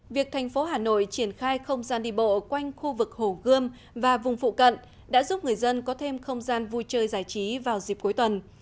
việc thành phố hà nội triển khai không gian đi bộ quanh khu vực hồ gươm và vùng phụ cận đã giúp người dân có thêm không gian vui chơi giải trí vào dịp cuối tuần